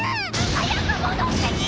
早く戻ってきて！